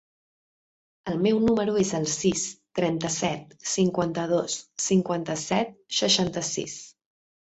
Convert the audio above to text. El meu número es el sis, trenta-set, cinquanta-dos, cinquanta-set, seixanta-sis.